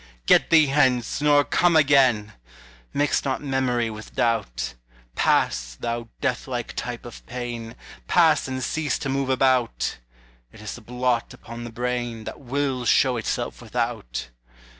Get thee hence, nor come again! Mix not memory with doubt, Pass, thou deathlike type of pain, Pass and cease to move about! 'T is the blot upon the brain That will show itself without.